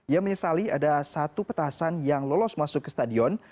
ia menyesali ada satu petasan yang lolos masuk ke stadion